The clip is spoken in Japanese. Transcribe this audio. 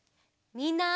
みんな！